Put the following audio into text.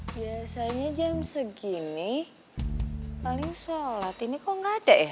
biasanya jam segini paling sholat ini kok nggak ada ya